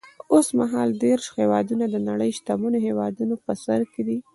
اوس مهال دېرش هېوادونه د نړۍ شتمنو هېوادونو په سر کې دي.